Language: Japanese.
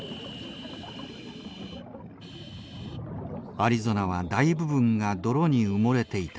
アリゾナは大部分が泥に埋もれていた。